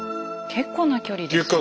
結構な距離です。